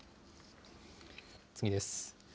次です。